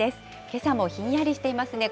けさもひんやりしていますね。